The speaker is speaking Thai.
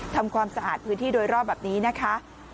ทำความสะอาดพื้นที่โดยรอบแบบนี้นะคะ